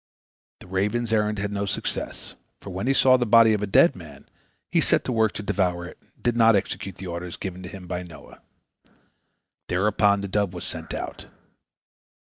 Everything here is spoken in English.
" The raven's errand had no success, for when he saw the body of a dead man, he set to work to devour it, and did not execute the orders given to him by Noah. Thereupon the dove was sent out.